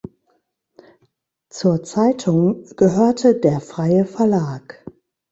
Zur Zeitung gehörte «Der Freie Verlag».